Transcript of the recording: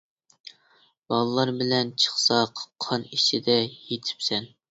باللار بىلەن چىقساق، قان ئىچىدە يېتىپسەن.